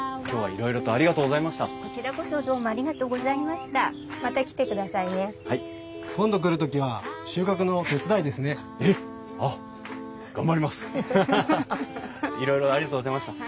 いろいろありがとうございました。